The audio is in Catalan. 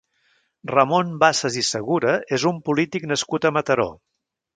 Ramon Bassas i Segura és un polític nascut a Mataró.